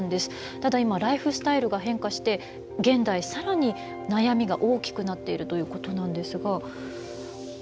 ただ今ライフスタイルが変化して現代更に悩みが大きくなっているということなんですがこちらですね。